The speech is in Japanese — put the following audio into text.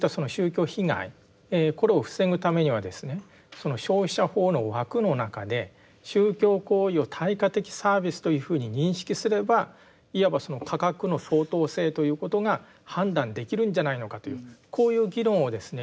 その消費者法の枠の中で宗教行為を対価的サービスというふうに認識すればいわばその価格の相当性ということが判断できるんじゃないのかというこういう議論をですね